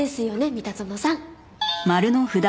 三田園さん。